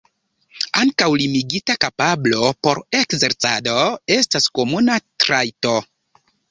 Ankaŭ limigita kapablo por ekzercado estas komuna trajto.